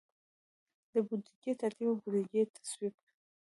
د بودیجې ترتیب او د بودیجې تصویب.